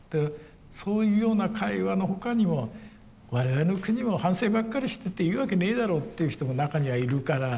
そういうような会話の他にも我々の国も反省ばっかりしてていいわけねえだろって言う人も中にはいるから。